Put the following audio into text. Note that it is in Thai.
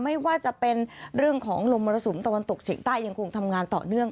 ไม่ว่าจะเป็นเรื่องของลมมรสุมตะวันตกเฉียงใต้ยังคงทำงานต่อเนื่อง